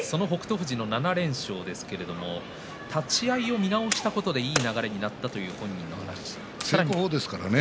富士の７連勝ですが立ち合いを見直したことでいい流れになったというふうに話していました。